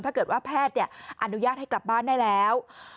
ถ้าเกิดว่าแพทย์อนุญาตให้กลับบ้านได้แล้ว